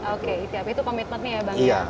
oke itu komitmennya ya bang